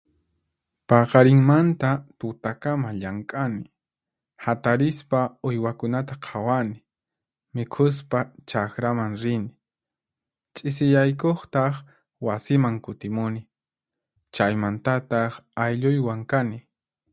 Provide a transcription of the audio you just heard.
Paqarinmanta tutakama llank'ani. Hatarispa uywakunata qhawani, mikhuspa chaqraman rini, ch'isiyaykuqtaq wasiman kutimuni. Chaymantataq aylluywan kani.